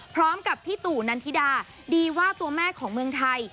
พร้อมกับพี่ตู่นันทิดาดีว่าตัวแม่ของเมืองไทย